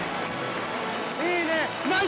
いいね！